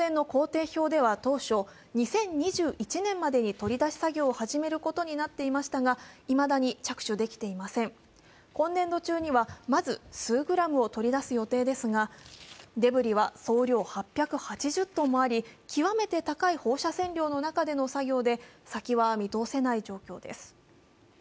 東電の工程表では当初２０２１年までに取り除くことが予定されていましたがいまだに着手できていません、今年度中にはまず数グラムを取り出す予定ですが、デブリは送料８８０ｔもあり極めて高い放射線量の中での作業で先は見通せない状況です。